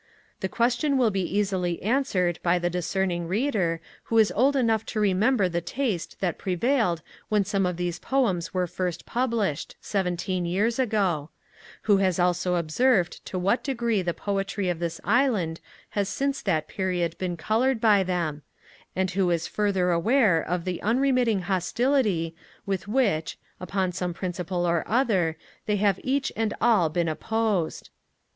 The question will be easily answered by the discerning Reader who is old enough to remember the taste that prevailed when some of these poems were first published, seventeen years ago; who has also observed to what degree the poetry of this Island has since that period been coloured by them; and who is further aware of the unremitting hostility with which, upon some principle or other, they have each and all been opposed.